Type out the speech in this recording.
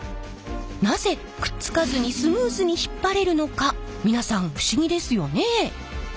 なぜくっつかずにスムーズにひっぱれるのか皆さん不思議ですよね？